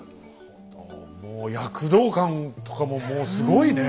もう躍動感とかももうすごいね！